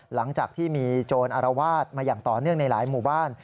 หลังจากที่มีโจรอรวาสมาอย่างต่อเนื่องในหลายหมู่บ้าน